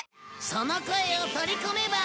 その声を取り込めば。